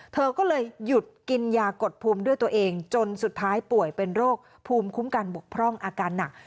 เธอก็เลยหยุดกินยากดภูมิด้วยตัวเองจนสุดท้ายป่วยเป็นโรคภูมิคุ้มกันบกพร่องอาการหนัก